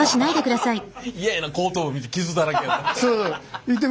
嫌やな後頭部見て傷だらけやったら。